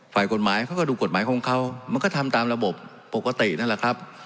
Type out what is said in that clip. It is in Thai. ฝ่ายกฎหมายเขาก็ดูกฎหมายของเขามันก็ทำตามระบบปกตินั่นแหละครับ